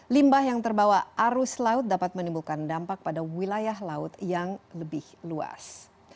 limbah yang terbawa arus laut dapat menimbulkan dampak pada wilayah laut yang lebih luas